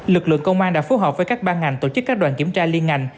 lực lượng công an đã phối hợp với các ban ngành tổ chức các đoàn kiểm tra liên ngành